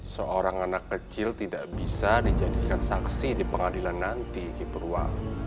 seorang anak kecil tidak bisa dijadikan saksi di pengadilan nanti di purwa